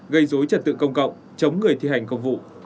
gây dối trật tự công cộng chống người thi hành công vụ